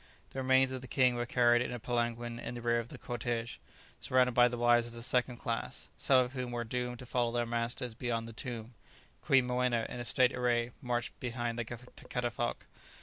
The remains of the king were carried in a palanquin in the rear of the cortége, surrounded by the wives of the second class, some of whom were doomed to follow their master beyond the tomb. Queen Moena, in state array, marched behind the catafalque.